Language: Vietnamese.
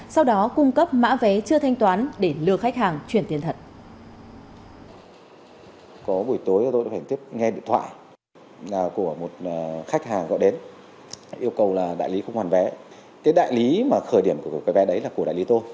sau đó cung cấp mã vé chưa thanh toán để lừa khách hàng chuyển tiền thật